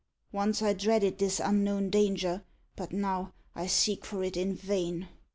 Once I dreaded this unknown danger, but now I seek for it in vain."